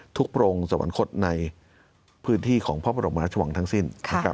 ทุกโปรงสวรรคศในพื้นที่ของพระบรมภรรชวังทั้งสิ้น